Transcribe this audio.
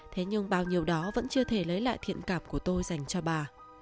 thế nhưng bao nhiêu đó vẫn chưa thể lấy lại thiện cảm của tôi dành cho bà